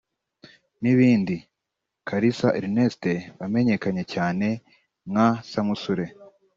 n’ibindi… Kalisa Erneste wamenyekanye cyane nka Samusure